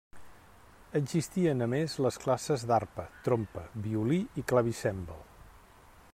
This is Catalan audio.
Existien a més les classes d'arpa, trompa, violí i clavicèmbal.